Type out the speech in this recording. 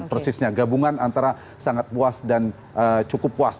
persisnya gabungan antara sangat puas dan cukup puas